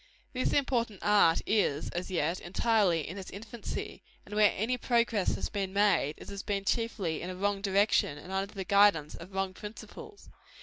This important art is, as yet, entirely in its infancy; and where any progress has been made, it has been chiefly in a wrong direction, and under the guidance of wrong principles.